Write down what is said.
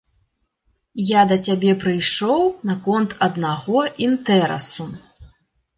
Я да цябе прыйшоў наконт аднаго інтэрасу.